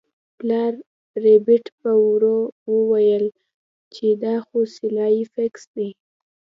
پلار ربیټ په ورو وویل چې دا خو سلای فاکس دی